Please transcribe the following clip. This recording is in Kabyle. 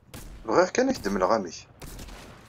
Bɣiɣ kan ad k-d-mmleɣ amek.